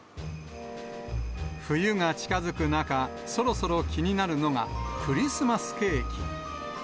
冬が近づく中、そろそろ気になるのが、クリスマスケーキ。